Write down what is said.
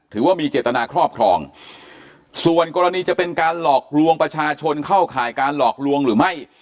ถือว่ามีเจตนาครอบครองส่วนกรณีจะเป็นการหลอกลวงประชาชนเข้าข่ายการหลอกลวงหรือไม่